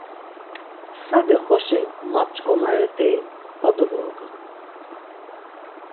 Sade xoşi ma pşǩomare deyi va dovorgam.